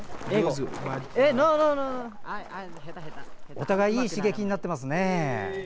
お互いいい刺激になっていますね。